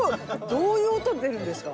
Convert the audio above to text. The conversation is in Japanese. どういう音出るんですか？